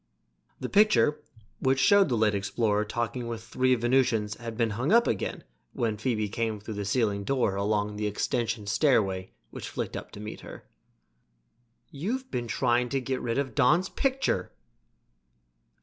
The picture, which showed the late explorer talking with three Venusians, had been hung up again when Phoebe came through the ceiling door along the extension stairway which flicked up to meet her. "You've been trying to get rid of Don's picture!"